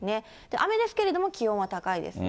雨ですけれども、気温は高いですね。